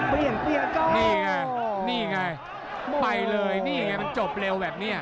เปลี่ยนเปลี่ยนนี่ไงนี่ไงไปเลยนี่ไงมันจบเร็วแบบเนี้ย